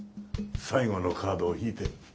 最後のカードを引いて。